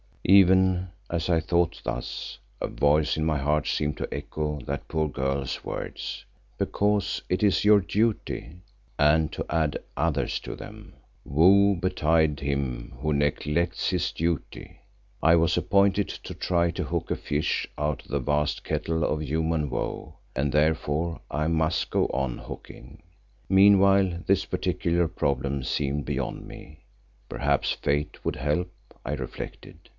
Even as I thought thus a voice in my heart seemed to echo that poor girl's words—because it is your duty—and to add others to them—woe betide him who neglects his duty. I was appointed to try to hook a few fish out of the vast kettle of human woe, and therefore I must go on hooking. Meanwhile this particular problem seemed beyond me. Perhaps Fate would help, I reflected.